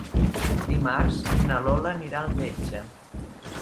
Dimarts na Lola anirà al metge.